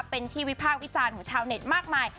เป็นที่วิพากษ์วิจารณ์ของชาวเน็ตมากมาย